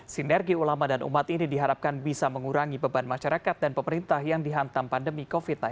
sinergi ulama dan umat ini diharapkan bisa mengurangi beban masyarakat dan pemerintah yang dihantam pandemi covid sembilan belas